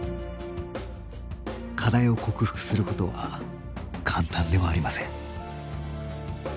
課題を克服することは簡単ではありません。